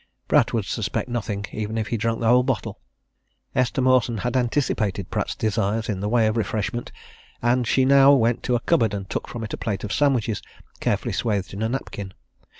Pratt would suspect nothing even if he drunk the whole bottle. Esther Mawson had anticipated Pratt's desires in the way of refreshment, and she now went to a cupboard and took from it a plate of sandwiches, carefully swathed in a napkin.